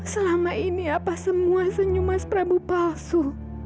selama ini apa semua senyum mas prabu palsu